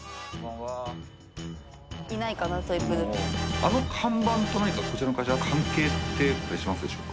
あの看板と何かこちらの会社は関係ってあったりしますでしょうか？